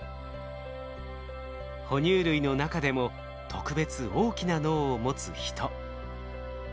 哺乳類の中でも特別大きな脳を持つヒト。